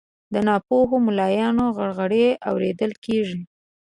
د ناپوهو ملایانو غرغړې اورېدل کیږي